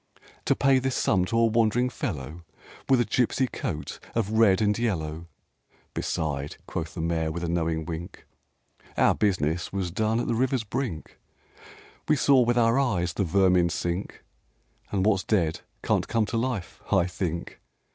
To pay this sum to a wandering fellow With a gypsy coat of red and yellow! "Beside," quoth the Mayor, with a knowing wink, "Our business was done at the river's brink; We saw with our eyes the vermin sink, And what's dead can't come to life, I think.